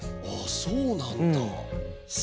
あっそうなんだ。